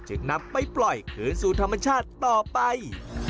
นำไปปล่อยคืนสู่ธรรมชาติต่อไป